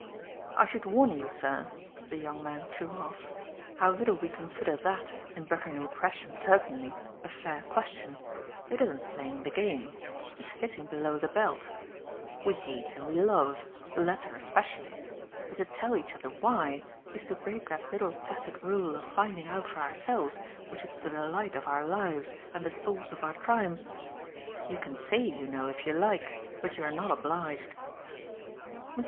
"I should warn you, sir," the young man threw off, "how little we consider that in Buckingham Crescent certainly a fair question. It isn't playing the game it's hitting below the belt. We hate and we love the latter especially; but to tell each other why is to break that little tacit rule of finding out for ourselves which is the delight of our lives and the source of our triumphs. You can say, you know, if you like, but you're not obliged." Mr.